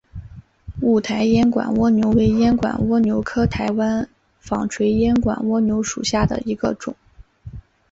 雾台烟管蜗牛为烟管蜗牛科台湾纺锤烟管蜗牛属下的一个种。